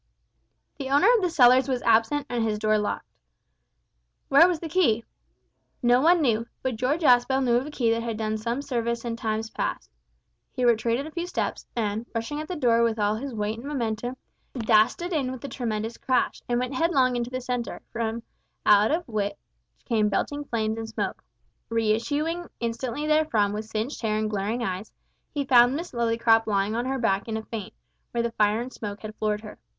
The owner of the cellars was absent and his door locked. Where was the key? No one knew, but George Aspel knew of a key that had done some service in times past. He retreated a few steps, and, rushing at the door with all his weight and momentum, dashed it in with a tremendous crash, and went headlong into the cellar, from out of which came belching flames and smoke. Re issuing instantly therefrom with singed hair and glaring eyes, he found Miss Lillycrop lying on her back in a faint, where the fire and smoke had floored her.